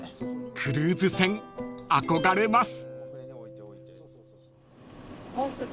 ［クルーズ船憧れます］